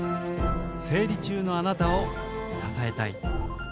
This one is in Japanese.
生理中のあなたを支えたい。